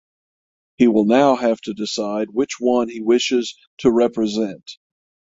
He will now have to decide which one he wishes to represent.